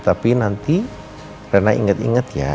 tapi nanti rena inget inget ya